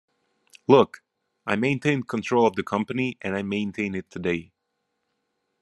Look, I maintained control of the company and I maintain it today.